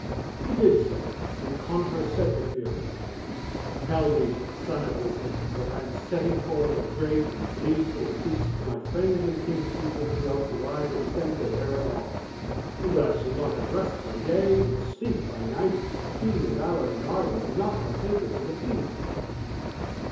He did so; and Connachar said to Ferchar, "Tell Naois, son of Uisnech, that I am setting forth a great and gleeful feast to my friends and kinspeople throughout the wide extent of Erin all, and that I shall not have rest by day nor sleep by night if he and Allen and Arden be not partakers of the feast."